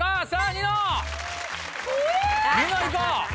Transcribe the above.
ニノいこう！